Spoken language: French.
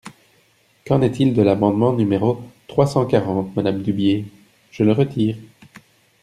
Qu’en est-il de l’amendement numéro trois cent quarante, madame Dubié ? Je le retire.